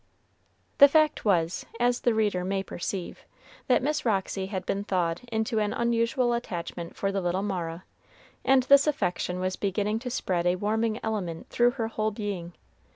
The fact was, as the reader may perceive, that Miss Roxy had been thawed into an unusual attachment for the little Mara, and this affection was beginning to spread a warming element though her whole being.